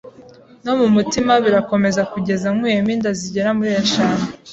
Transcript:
no mu mutima.birakomeza kugeza nkuyemo inda zigera muri eshanu.